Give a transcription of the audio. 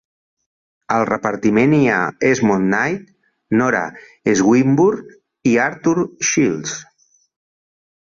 Al repartiment hi ha Esmond Knight, Nora Swinburne i Arthur Shields.